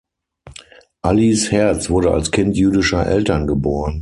Alice Herz wurde als Kind jüdischer Eltern geboren.